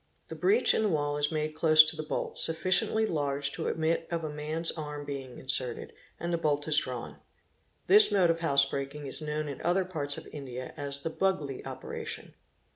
The breach in the wall is made close to the bolt, sufficiently large to admit of a man's arm being inserted and the bolt is drawn. This mode of house breaking is known in othei parts of India as the " buglee operation".